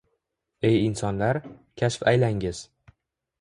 Ey insonlar, kashf aylangiz